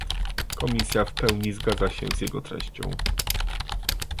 Komisja w pełni zgadza się z jego treścią